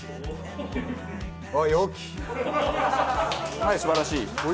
はい素晴らしい！